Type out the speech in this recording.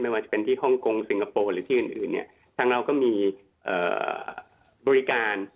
ว่าจะเป็นที่ฮ่องกงสิงคโปร์หรือที่อื่นเนี่ยทางเราก็มีบริการ